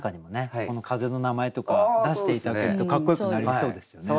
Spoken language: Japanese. この風の名前とか出して頂けるとかっこよくなりそうですよね。